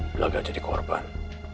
belaga jadi korban